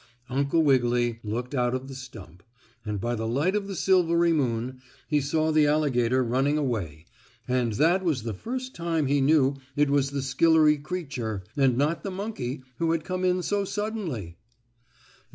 Uncle Wiggily looked out of the stump, and by the light of the silvery moon he saw the alligator running away, and that was the first time he knew it was the skillery creature, and not the monkey, who had come in so suddenly.